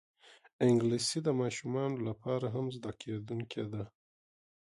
انګلیسي د ماشومانو لپاره هم زده کېدونکی ده